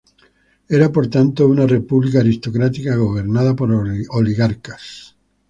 Era por tanto una república aristocrática gobernada por oligarcas.